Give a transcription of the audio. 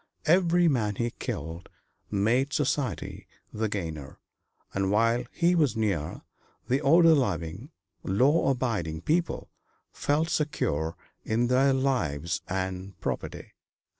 Every man he killed made society the gainer, and while he was near, the order loving, law abiding people felt secure in their lives and property.